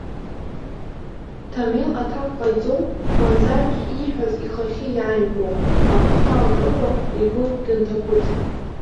Ҭамел аҭак ҟаиҵоу, мамзаргьы ииҳәоз ихахьы иааимгоу, агәхьаа мкыкәа, игәы дынҭахәыцит.